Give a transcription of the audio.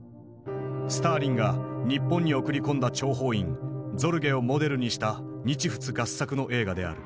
スターリンが日本に送り込んだ諜報員ゾルゲをモデルにした日仏合作の映画である。